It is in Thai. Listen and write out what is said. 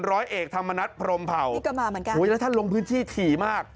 ร้อยเอกทำอนัฏพรมเห่าโหยแล้วท่านลงพื้นที่ถี่มาก